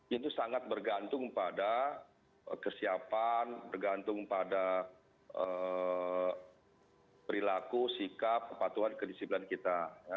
itu sangat bergantung pada kesiapan bergantung pada perilaku sikap kepatuhan kedisiplinan kita